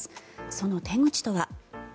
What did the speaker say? その手口とは。